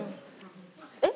えっ？